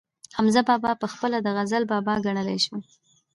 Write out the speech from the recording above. حمزه بابا پخپله د غزل بابا ګڼلی شو